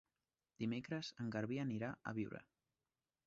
Dimecres en Garbí anirà a Biure.